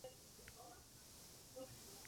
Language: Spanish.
Fue un empresario.